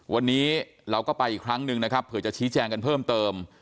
วันนี้เราก็ไปอีกครั้งหนึ่งนะครับเผื่อจะชี้แจงกันเพิ่มเติม